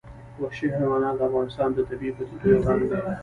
وحشي حیوانات د افغانستان د طبیعي پدیدو یو رنګ دی.